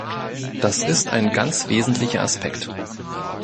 Das ist ein ganz wesentlicher Aspekt.